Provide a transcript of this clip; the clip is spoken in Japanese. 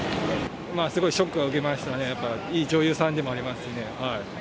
まあすごいショックは受けましたね、やっぱりいい女優さんでもありますしね。